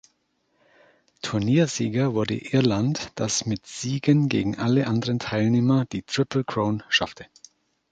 Turniersieger wurde Irland, das mit Siegen gegen alle anderen Teilnehmer die Triple Crown schaffte.